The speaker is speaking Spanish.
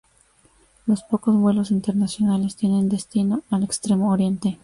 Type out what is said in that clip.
Los pocos vuelos internacionales tienen destino al extremo Oriente.